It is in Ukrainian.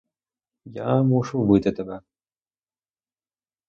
Я мушу вбити тебе.